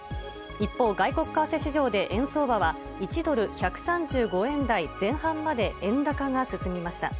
一方、外国為替市場で円相場は１ドル＝１３５円台前半まで円高が進みました。